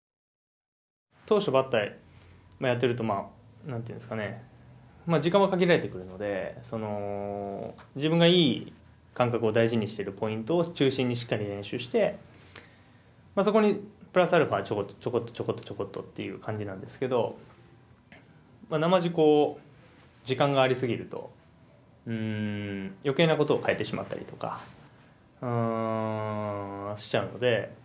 投手とバッターやってると何て言うんですかね時間は限られてくるので自分がいい感覚を大事にしてるポイントを中心にしっかり練習してそこにプラスアルファちょこっとちょこっとちょこっとっていう感じなんですけどなまじ時間がありすぎると余計なことを変えてしまったりとかしちゃうので。